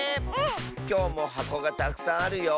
きょうもはこがたくさんあるよ。